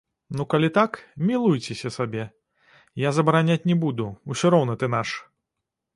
Ну, калі так, мілуйцеся сабе, я забараняць не буду, усё роўна ты наш.